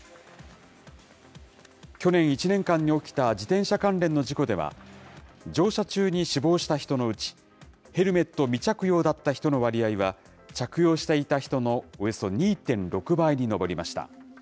去年１年間に起きた自転車関連の事故では、乗車中に死亡した人のうち、ヘルメット未着用だった人の割合は、着用していた人のおよそ２．６倍に上りました。